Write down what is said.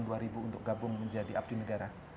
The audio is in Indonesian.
apa yang anda ingin lakukan untuk gabung menjadi abdi negara